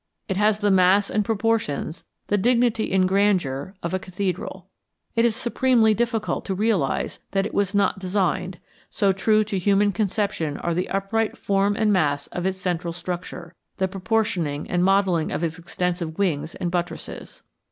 It has the mass and proportions, the dignity and grandeur, of a cathedral. It is supremely difficult to realize that it was not designed, so true to human conception are the upright form and mass of its central structure, the proportioning and modelling of its extensive wings and buttresses.